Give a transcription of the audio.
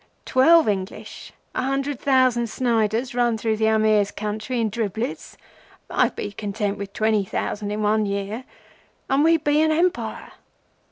Twelve English, a hundred thousand Sniders run through the Amir's country in driblets—I'd be content with twenty thousand in one year—and we'd be an Empire.